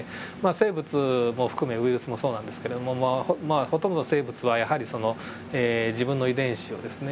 生物も含めウイルスもそうなんですけどもほとんどの生物はやはりその自分の遺伝子をですね